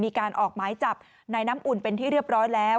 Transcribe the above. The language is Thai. มีการออกหมายจับนายน้ำอุ่นเป็นที่เรียบร้อยแล้ว